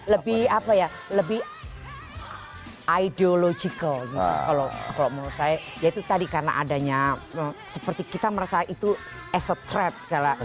lebih apa ya lebih ideological gitu kalau menurut saya ya itu tadi karena adanya seperti kita merasa itu as a trap